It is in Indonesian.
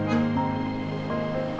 ya udah aku mau ke rumah